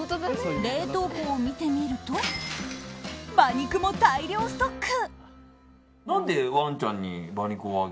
冷凍庫を見てみると馬肉も大量ストック。